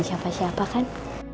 siapa siapa kan